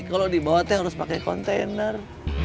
kalau dibawa harus pakai kontainer